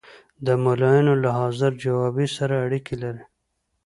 د ملایانو له حاضر جوابي سره اړیکې لري.